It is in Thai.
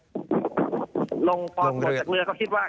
ลงพอลงจากเรือเขาคิดว่า